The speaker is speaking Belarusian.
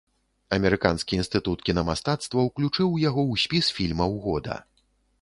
Амерыканскі інстытут кінамастацтва ўключыў яго ў спіс фільмаў года.